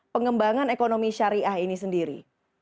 pengembangan ekonomi syariah ini sendiri